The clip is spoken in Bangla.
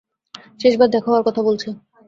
শেষবার দেখা হওয়ার কথা বলছে।